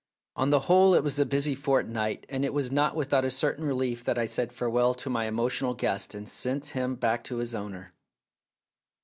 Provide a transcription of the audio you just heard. On the whole it was a busy fortnight, and it was not without a certain relief that I said farewell to my emotional guest and sent him back to his owner.